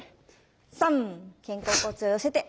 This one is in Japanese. ３肩甲骨を寄せて！